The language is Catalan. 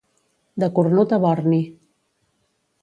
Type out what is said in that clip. De cornut a borni.